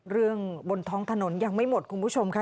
บนท้องถนนยังไม่หมดคุณผู้ชมค่ะ